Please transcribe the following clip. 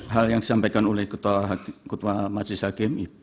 hal yang disampaikan oleh ketua majelis hakim